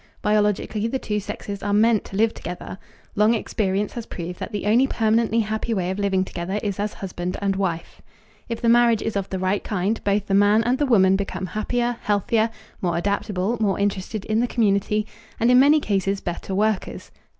Biologically the two sexes are meant to live together. Long experience has proved that the only permanently happy way of living together is as husband and wife. If the marriage is of the right kind, both the man and the woman become happier, healthier, more adaptable, more interested in the community, and, in many cases, better workers.